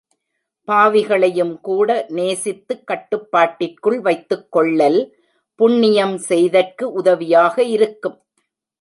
பாவிகளையும்கூட நேசித்து கட்டுப் பாட்டிற்குள் வைத்துக் கொள்ளல் புண்ணியம் செய்தற்கு உதவியாக இருக்கும்.